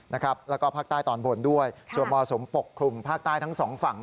แล้วก็ภาคใต้ตอนบนด้วยส่วนมรสุมปกคลุมภาคใต้ทั้งสองฝั่ง